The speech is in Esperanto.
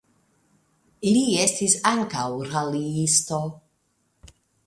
Li estis ankaŭ raliisto.